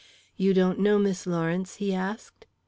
"You don't know Miss Lawrence?" he asked.